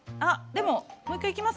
でももう一回いきます？